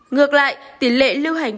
ngược lại tỉ lệ liêu hành